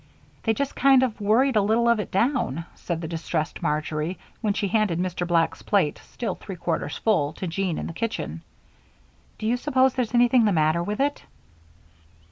"They just kind of worried a little of it down," said the distressed Marjory, when she handed Mr. Black's plate, still three quarters full, to Jean in the kitchen. "Do you suppose there's anything the matter with it?"